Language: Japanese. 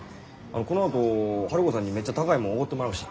このあとハルコさんにめっちゃ高いもんおごってもらうし。